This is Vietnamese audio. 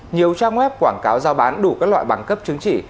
nhiều trang web quảng cáo giao bán đủ các loại bằng cấp chứng chỉ